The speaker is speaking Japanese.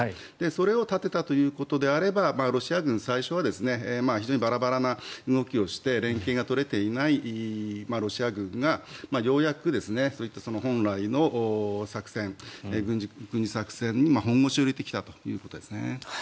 それを立てたということであればロシア軍は最初は非常にバラバラな動きをして連携が取れていないロシア軍がようやく本来の作戦軍事作戦に本腰を入れてきたということですね。